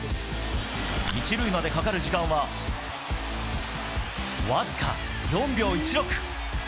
１塁までかかる時間は、僅か４秒１６。